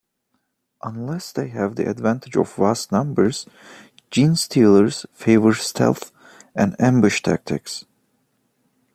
Unless they have the advantage of vast numbers, genestealers favor stealth and ambush tactics.